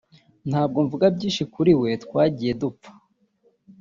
ntabwo mvuga byinshi kuri we twagiye dupfa